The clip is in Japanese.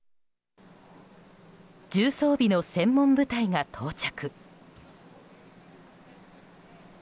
重装備の専門部隊が到着。